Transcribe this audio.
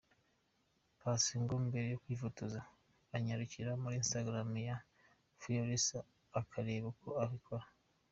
Paccy ngo mbere yo kwifotoza anyarukira kuri Instagram ya Fearless akareba uko abikora.